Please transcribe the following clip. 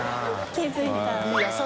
気付いた。